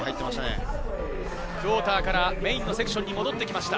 クォーターからメインのセクションに戻ってきました。